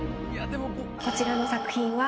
こちらの作品は。